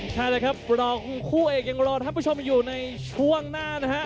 ใช่แล้วครับรองคู่เอกยังรอท่านผู้ชมอยู่ในช่วงหน้านะฮะ